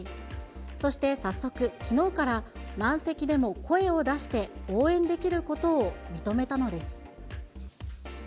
そして早速、きのうから満席でも声を出して応援できることを認めたのです。